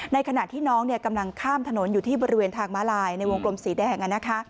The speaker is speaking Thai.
ขณะที่น้องกำลังข้ามถนนอยู่ที่บริเวณทางม้าลายในวงกลมสีแดง